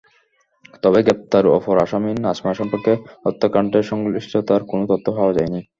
তবে গ্রেপ্তার অপর আসামি নাজমা সম্পর্কে হত্যাকাণ্ডে সংশ্লিষ্টতার কোনো তথ্য পাওয়া যায়নি।